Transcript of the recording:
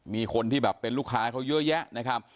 มีคนที่แบบเป็นลูกค้าเขาเยอะแยะนะครับ